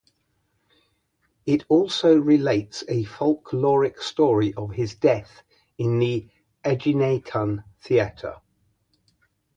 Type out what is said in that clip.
It also relates a folkloric story of his death in the Aeginetan theatre.